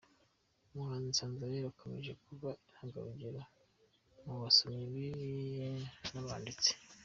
Umuhanzi Nsanzabera akomeje kuba intangarugero mu basomyi n’abanditsi